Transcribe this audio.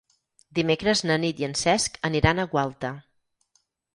Dimecres na Nit i en Cesc aniran a Gualta.